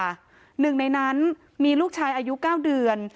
หนึ่งในนั้นมีลูกชายอายุ๙เดือน